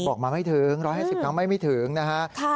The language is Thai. บอกมาไม่ถึง๑๕๐ครั้งไม่ถึงนะฮะ